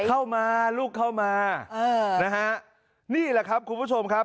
เข้ามาลูกเข้ามาอ่านะฮะนี่แหละครับคุณผู้ชมครับ